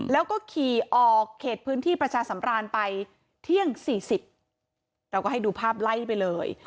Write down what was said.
แล้วก็ขี่ออกเขตพื้นที่ประชาสำราญไปเที่ยง๔๐เราก็ให้ดูภาพไล่ไปเลย